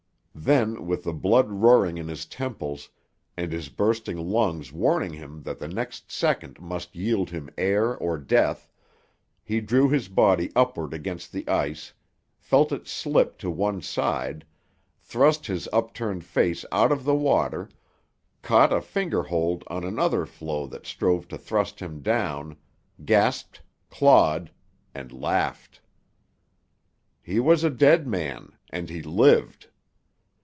Then, with the blood roaring in his temples, and his bursting lungs warning him that the next second must yield him air or death, he threw his body upward against the ice, felt it slip to one side, thrust his upturned face out of the water, caught a finger hold on another floe that strove to thrust him down, gasped, clawed and—laughed. He was a dead man, and he lived.